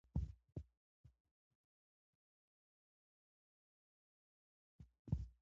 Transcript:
نورستان د افغانستان په ستراتیژیک اهمیت کې خورا مهم رول لري.